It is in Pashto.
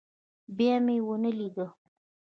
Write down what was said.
بيا مې ونه ليده.